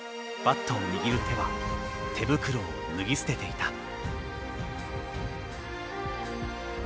バットを握る手は手袋を脱ぎ捨てていた。